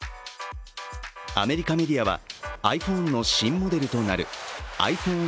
アメリカメディアはｉＰｈｏｎｅの新モデルとなるｉＰｈｏｎｅ